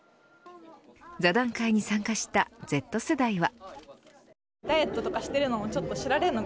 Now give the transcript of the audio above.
座談会に参加したＺ世代は。